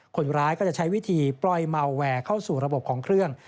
คนร้ายก็จะใช้วิธีปล่อยเมาแวร์เข้าสู่ระบบของเครื่อง